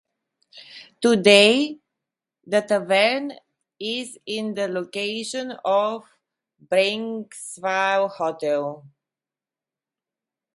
Today, the tavern is in the location of the Breinigsville Hotel.